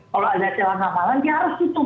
kalau ada celah keamanan dia harus tutup